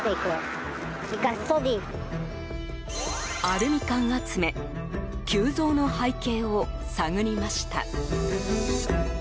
アルミ缶集め急増の背景を探りました。